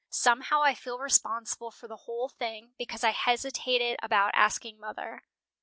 Somehow I feel responsible for the whole thing, because I hesitated about asking mother."